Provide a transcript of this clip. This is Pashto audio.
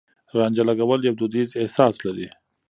رانجه لګول يو دوديز احساس لري.